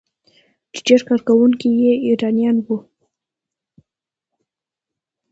چې ډیری کارکونکي یې ایرانیان وو.